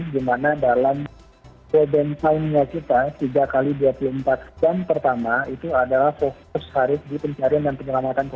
di mana dalam problem time nya kita tiga x dua puluh empat jam pertama itu adalah fokus hari di pencarian dan penyelamatan